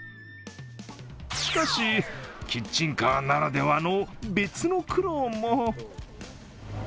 しかしキッチンカーならではの別の苦労も。